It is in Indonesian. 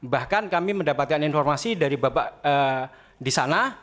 bahkan kami mendapatkan informasi dari bapak di sana